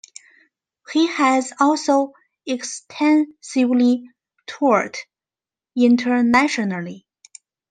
He has also extensively toured internationally.